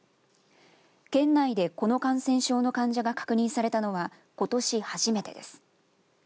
県内でこの感染症の患者が確認されたのはことし初めてです。